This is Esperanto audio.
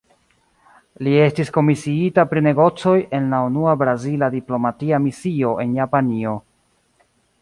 Li estis komisiita pri negocoj en la unua brazila diplomatia misio en Japanio.